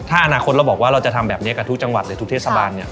ถ้าอนาคตเราบอกว่าเราจะทำแบบนี้กับทุกจังหวัดเลยทุกเทศบาลเนี่ย